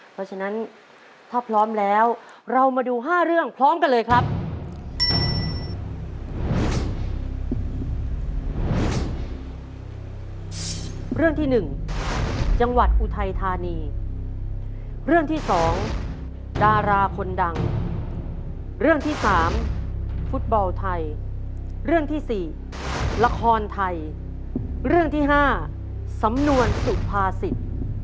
เพราะฉะนั้นถ้าพร้อมแล้วเรามาดู๕เรื่องพร้อมกันเลยครับ